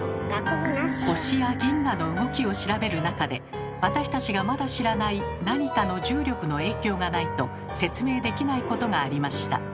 星や銀河の動きを調べる中で私たちがまだ知らないなにかの重力の影響がないと説明できないことがありました。